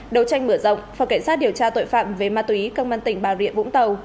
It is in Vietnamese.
đầu tranh mở rộng phòng cảnh sát điều tra tội phạm về ma túy công an tỉnh bà rịa vũng tàu